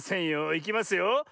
いきますよ。